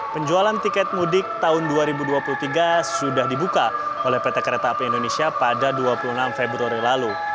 penjualan tiket mudik tahun dua ribu dua puluh tiga sudah dibuka oleh pt kereta api indonesia pada dua puluh enam februari lalu